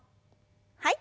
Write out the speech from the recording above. はい。